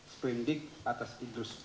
seberindik atas idrus